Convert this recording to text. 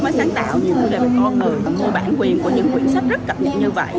máy sáng tạo nhiều chủ đề về con người mua bản quyền của những cuốn sách rất cập nhật như vậy